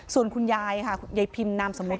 ส่วนคุณยายค่ะใยพิมนามสมมติ